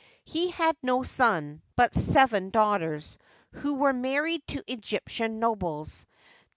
He had no son, but seven daughters, who were married to Egyptian nobles.